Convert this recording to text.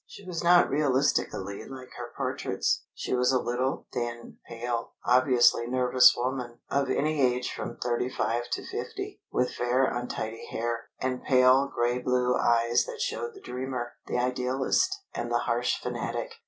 She was not realistically like her portraits. She was a little, thin, pale, obviously nervous woman, of any age from thirty five to fifty, with fair untidy hair, and pale grey blue eyes that showed the dreamer, the idealist, and the harsh fanatic.